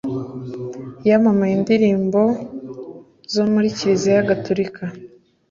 Yamamaye mu ndirimbo zo muri Kiliziya Gatolika